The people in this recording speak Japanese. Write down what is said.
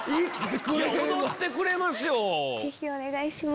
踊ってくれますよ。